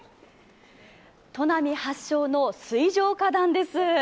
砺波発祥の水上花壇です。